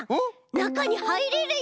なかにはいれるよ！